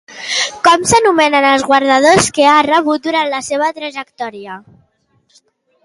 Com s'anomenen els guardons que ha rebut durant la seva trajectòria?